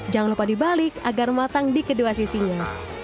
jangan lupa dibalik agar matang di kedua sisinya